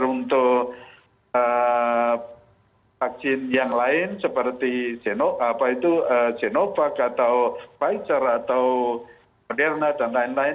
atau untuk vaksin yang lain seperti zenova pfizer moderna dan lain lain